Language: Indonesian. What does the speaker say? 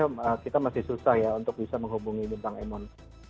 dan sampai hari ini menurut saya kita masih susah ya untuk bisa menghubungi bintang emon